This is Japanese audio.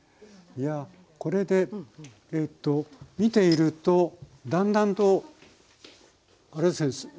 いやこれで見ているとだんだんとあれですね